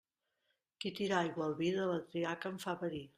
Qui tira aigua al vi, de la triaca en fa verí.